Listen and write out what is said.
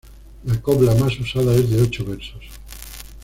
La cobla más usada es de ocho versos.